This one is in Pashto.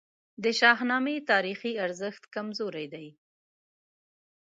د شاهنامې تاریخي ارزښت کمزوری دی.